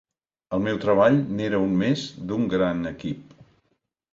El meu treball n’era un més d’un gran equip.